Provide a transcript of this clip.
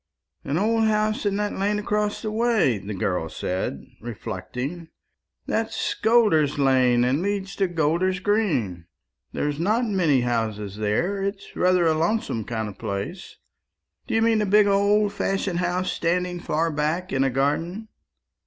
"An old house in that lane across the way?" the girl said, reflecting. "That's Golder's lane, and leads to Golder's green. There's not many houses there; it's rather a lonesome kind of place. Do you mean a big old fashioned house standing far back in a garden?"